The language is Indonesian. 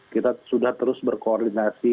kita sudah terus berkoordinasi